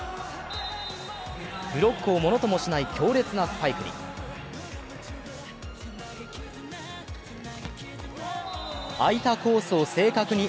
ブロックをものともしない強烈なスパイクに。